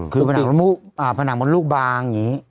คือผนังมดลูกบางอย่างนี้